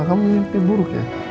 kamu mimpi buruk ya